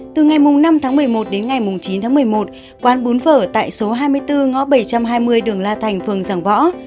từ ngày năm tháng một mươi một đến ngày chín tháng một mươi một quán bún vở tại số hai mươi bốn ngõ bảy trăm hai mươi đường la thành phường giảng võ